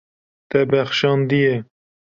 Te bexşandiye.